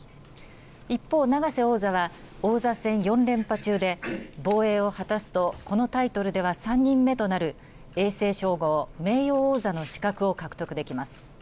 一方、永瀬王座は王座戦４連覇中で防衛を果たすとこのタイトルでは３人目となる永世称号、名誉王座の資格を獲得できます。